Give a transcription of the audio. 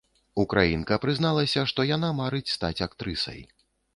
Украінка прызналася, што яна марыць стаць актрысай.